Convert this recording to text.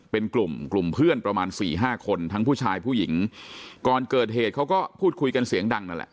เป็นกลุ่มกลุ่มเพื่อนประมาณสี่ห้าคนทั้งผู้ชายผู้หญิงก่อนเกิดเหตุเขาก็พูดคุยกันเสียงดังนั่นแหละ